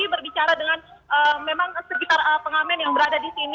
berbicara dengan memang sekitar pengamen yang berada di sini